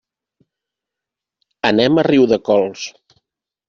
Anem a Riudecols.